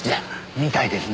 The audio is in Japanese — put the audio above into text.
みたいですね。